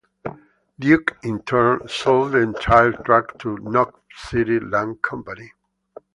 Duke, in turn, sold the entire tract to the Knob City Land Company.